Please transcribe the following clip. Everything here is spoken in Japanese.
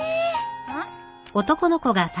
うん？